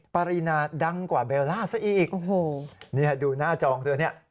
ปารีนาดังกว่าเบลล่าซะอีกดูหน้าจองตัวนี้